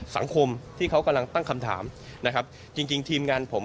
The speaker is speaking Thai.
สังคมที่เขากำลังตั้งคำถามนะครับจริงจริงทีมงานผม